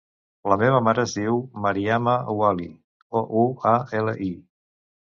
La meva mare es diu Mariama Ouali: o, u, a, ela, i.